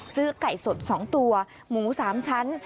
ซื้อไก่สด๒ตัวหมู๓ชั้น